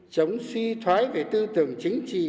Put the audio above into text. chống suy thoái về tư tưởng chính trị